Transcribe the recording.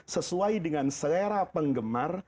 sesuai dengan selera penggemar